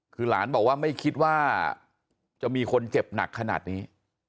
คือหลานบอกว่าไม่คิดว่าจะมีคนเจ็บหนักขนาดนี้